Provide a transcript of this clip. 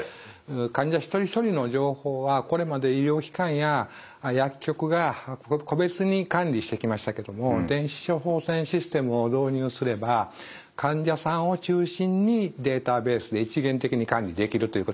患者一人一人の情報はこれまで医療機関や薬局が個別に管理してきましたけども電子処方箋システムを導入すれば患者さんを中心にデータベースで一元的に管理できるということになります。